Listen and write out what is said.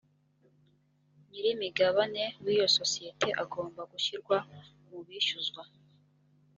nyir’imigabane w’iyo sosiyete agomba gushyirwa mu bishyuzwa